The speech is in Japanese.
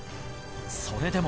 それでも。